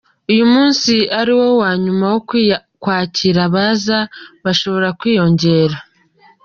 Uyu munsi ari wo wa nyuma wo kwakira abaza, bashobora kwiyongera.